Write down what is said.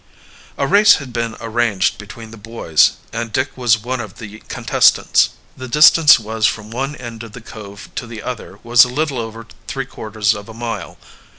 A race had been arranged between the boys, and Dick was one of the contestants. The distance was from one end of the cove to the other was a little over three quarters of a mile.